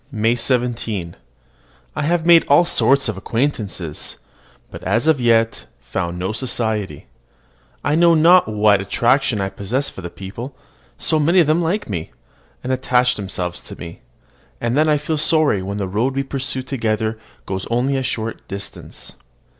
MAY 17. I have made all sorts of acquaintances, but have as yet found no society. I know not what attraction I possess for the people, so many of them like me, and attach themselves to me; and then I feel sorry when the road we pursue together goes only a short distance.